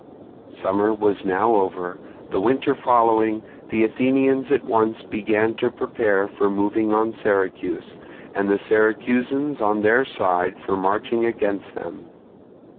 Summer was now over. The winter following, the Athenians at once began to prepare for moving on Syracuse, and the Syracusans on their side for marching against them.